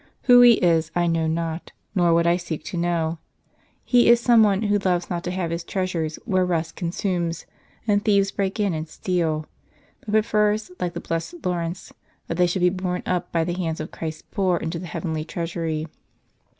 Who he is I know not; nor would I seek to know. He is some one who loves not to have his treasures where rust consumes, and thieves break in and steal, but pre fers, like the blessed Laurence, that they should be borne up, by the hands of Christ's poor, into the heavenly treasury.